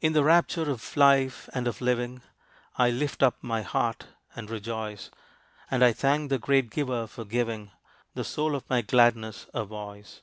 In the rapture of life and of living, I lift up my heart and rejoice, And I thank the great Giver for giving The soul of my gladness a voice.